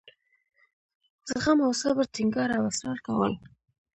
زغم او صبر ټینګار او اصرار کول.